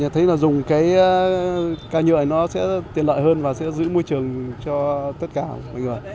thấy là dùng cái ca nhưỡi nó sẽ tiện lợi hơn và sẽ giữ môi trường cho tất cả mọi người